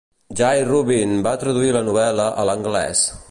Jay Rubin va traduir la novel·la a l'anglès.